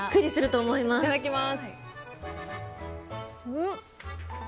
いただきます。